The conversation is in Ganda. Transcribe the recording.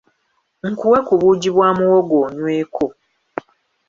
Nkuwe ku buugi bwa muwogo onyweko.